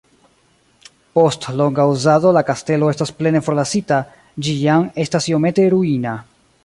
Post longa uzado la kastelo estas plene forlasita, ĝi jam estas iomete ruina.